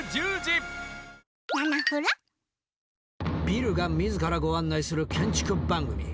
ビルがみずからご案内する建築番組。